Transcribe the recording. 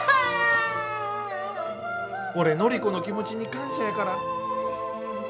俺、ノリコの気持ちに感謝やから。